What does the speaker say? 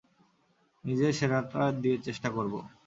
নিজের সেরাটা দিয়ে চেষ্টা করব।